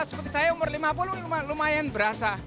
seperti saya umur lima puluh lumayan berasa